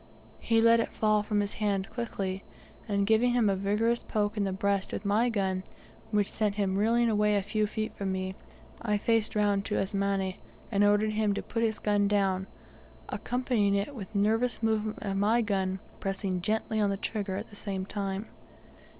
He let it fall from his hand quickly, and giving him a vigorous poke in the breast with my gun, which sent him reeling away a few feet from me, I faced round to Asmani, and ordered him to put his gun down, accompanying it with a nervous movement of my gun, pressing gently on the trigger at the same time.